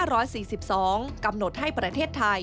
ซึ่งกลางปีนี้ผลการประเมินการทำงานขององค์การมหาชนปี๒ประสิทธิภาพสูงสุด